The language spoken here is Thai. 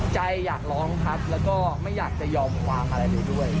อยากร้องครับแล้วก็ไม่อยากจะยอมความอะไรเลยด้วย